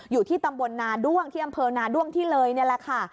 อยู่ที่ตำบลนาด้วงที่อำเภอนาด้วงที่เลยนี่แหละค่ะ